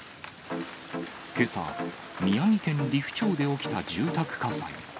けさ、宮城県利府町で起きた住宅火災。